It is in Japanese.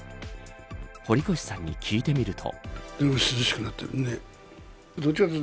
堀越さんに聞いてみると。